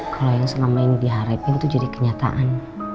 kalau yang selama ini dihadapin itu jadi kenyataan